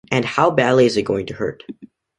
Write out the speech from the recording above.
And how badly is it going to hurt?